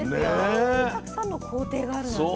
あんなにたくさんの工程があるなんてね。